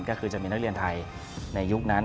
ก็คือจะมีนักเรียนไทยในยุคนั้น